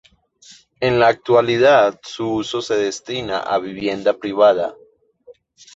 En la actualidad su uso se destina a vivienda privada.